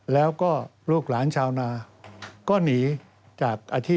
แล้วก็ลูกหลานชาวนาก็หนีจากอาทิต